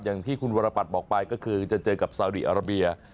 อย่างที่คุณวรปัตรบอกไปก็คือจะเจอกับสาวดีอาราเบีย